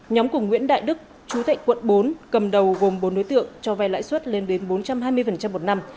nhóm của nguyễn đại đức chú thạnh quận bốn cầm đầu gồm bốn đối tượng cho vai lãi suất lên đến bốn trăm hai mươi một năm